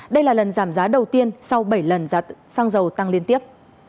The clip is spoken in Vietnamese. đây là lần giảm giá đầu tiên sau bảy lần giá xăng dầu tăng liên tiếp